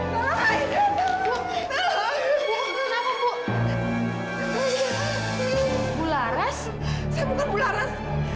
hai hai hai bu bu bu laras laras